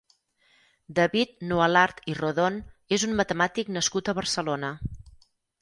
David Nualart i Rodón és un matemàtic nascut a Barcelona.